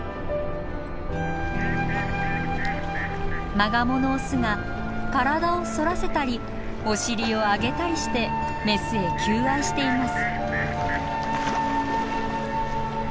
マガモのオスが体を反らせたりお尻を上げたりしてメスへ求愛しています。